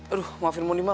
aduh maafin mondi ma